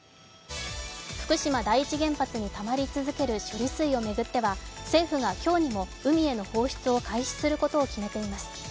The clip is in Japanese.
福島第一原発にたまり続ける処理水を巡っては政府が今日にも海への放出を開始することを決めています。